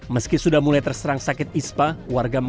meski sudah mulai terserang sakit ispa